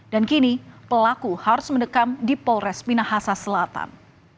dan kini pelaku harus mendekam di polres minahasa selatan